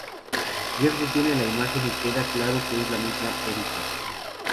Jeff detiene la imagen y queda claro que es la misma Érica.